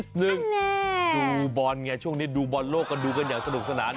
ซึ่งดูบอลไงช่วงนี้ดูบอลโลกกันดูกันอย่างสนุกสนาน